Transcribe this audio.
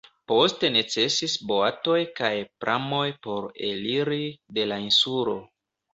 Poste necesis boatoj kaj pramoj por eliri de la insulo.